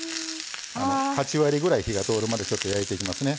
８割ぐらい火が通るまで焼いていきますね。